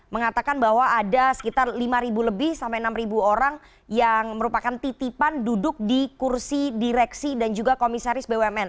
mengatakan bahwa ada sekitar lima lebih sampai enam orang yang merupakan titipan duduk di kursi direksi dan juga komisaris bumn